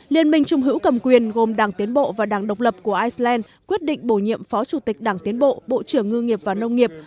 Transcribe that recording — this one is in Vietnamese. liên minh trung hữu cầm quyền gồm đảng tiến bộ và đảng độc lập của iceland quyết định bổ nhiệm phó chủ tịch đảng tiến bộ bộ trưởng ngư nghiệp và nông nghiệp